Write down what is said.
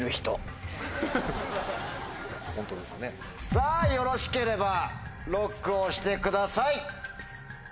さぁよろしければＬＯＣＫ押してください。